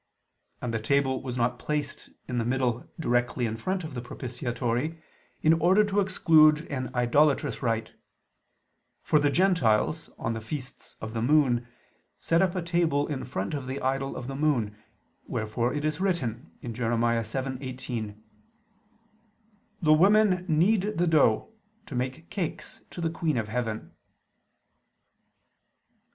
And the table was not placed in the middle directly in front of the propitiatory, in order to exclude an idolatrous rite: for the Gentiles, on the feasts of the moon, set up a table in front of the idol of the moon, wherefore it is written (Jer. 7:18): "The women knead the dough, to make cakes to the queen of heaven."